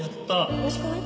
おいしくない？